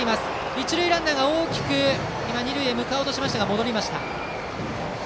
一塁ランナーが二塁へ向かおうとしましたが戻りました。